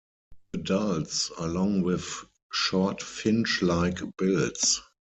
Adults are long with short finch-like bills.